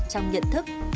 trong nhận thức